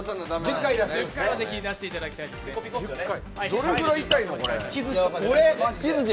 どれくらい痛いの？